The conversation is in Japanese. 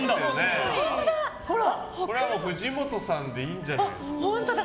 これは藤本さんでいいんじゃないですか。